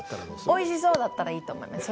「おいしそう」だったらいいと思います。